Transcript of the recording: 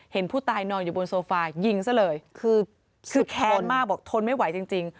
เห็นผู้ตายนอนอยู่บนโซฟายิงซะเลยคือแค้นมากบอกทนไม่ไหวจริง